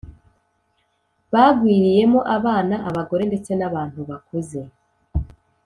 bagwiriyemo abana, abagore ndetse n'abantu bakuze.